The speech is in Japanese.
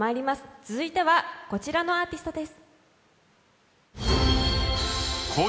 続いてはこちらのアーティストです。